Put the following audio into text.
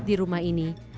di rumah ini